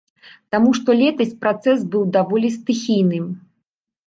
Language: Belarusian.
Таму што летась працэс быў даволі стыхійным.